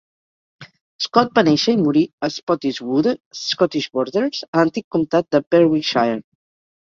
Scott va néixer i morir a Spottiswoode, Scottish Borders, a l'antic comtat de Berwickshire.